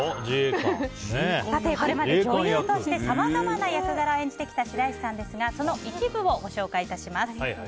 これまで女優としてさまざまな役柄を演じてきた白石さんですがその一部をご紹介します。